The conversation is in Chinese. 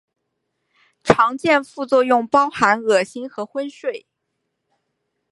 常见副作用包含恶心和昏睡。